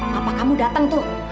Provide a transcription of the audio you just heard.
papa kamu datang tuh